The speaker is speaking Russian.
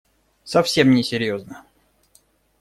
Совсем не серьезно.